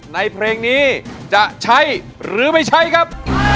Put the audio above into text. ในเพลงนี้จะใช้หรือไม่ใช้ครับ